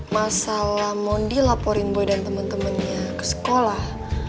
masalah mondi laporin boy dan temen temennya ke sekolah